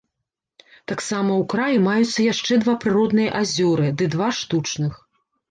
Таксама ў краі маюцца яшчэ два прыродныя азёры, ды два штучных.